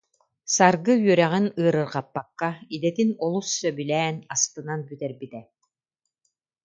Саргы үөрэҕин ыарырҕаппакка, идэтин олус сөбүлээн, астынан бүтэрбитэ